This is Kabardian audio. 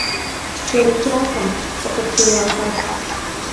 СкӀэрыкӀакъым, сыкъытригъэхьэху.